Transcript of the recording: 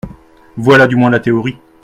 Voilà du moins la théorie.